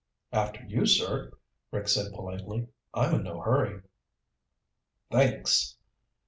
"After you, sir," Rick said politely. "I'm in no hurry." "Thanks."